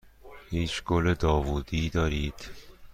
هیچ گل داوودی دارید؟